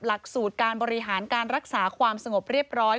หลักสูตรการบริหารการรักษาความสงบเรียบร้อย